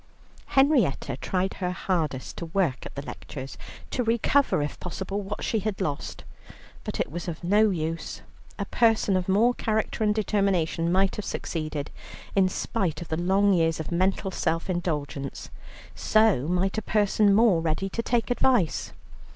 Henrietta tried her hardest to work at the lectures, to recover if possible what she had lost, but it was no use. A person of more character and determination might have succeeded, in spite of the long years of mental self indulgence, so might a person more ready to take advice.